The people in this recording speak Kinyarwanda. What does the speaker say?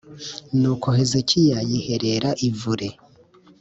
Nuko hezekiya yiherara ivure